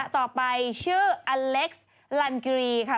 ต่อไปชื่ออเล็กซ์ลันกิรีค่ะ